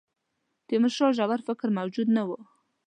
تیمورشاه ژور فکر موجود نه وو.